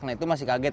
nah itu masih kaget